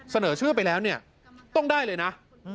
เสนอชื่อไปแล้วเนี่ยต้องได้เลยนะ